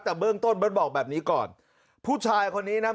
แต่เบื้องต้นเบิร์ตบอกแบบนี้ก่อนผู้ชายคนนี้นะ